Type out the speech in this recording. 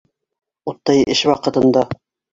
Уттай эш ваҡытында.